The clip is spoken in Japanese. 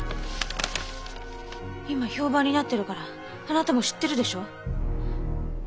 今評判になってるからあなたも知ってるでしょ？